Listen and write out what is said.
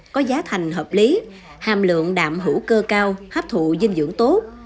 có giá thành hợp lý hàm lượng đạm hữu cơ cao hấp thụ dinh dưỡng tốt